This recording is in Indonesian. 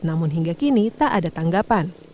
namun hingga kini tak ada tanggapan